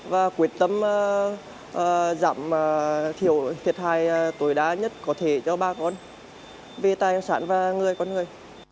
và quyết tâm giảm thiểu thiệt hại tối đa nhất có thể cho bà con về tài sản và người con người